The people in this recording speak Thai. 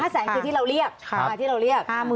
๕๐๐๐๐๐คือที่เราเรียก